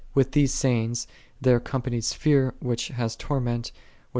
With those sayings there companies fear which hath torment, which Ps.